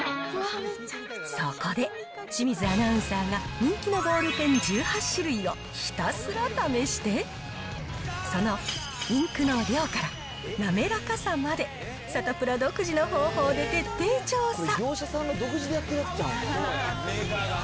そこで、清水アナウンサーが人気のボールペン１８種類をひたすら試して、そのインクの量から滑らかさまで、サタプラ独自の方法で徹底調査。